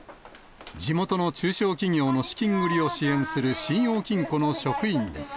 地元の中小企業の資金繰りを支援する信用金庫の職員です。